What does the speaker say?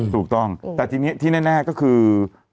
ถูกต้องแต่ทีนี้ที่แน่ก็คือ